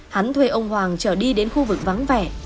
hắn thuê ông hoàng trở đi đến khu vực vắng vẻ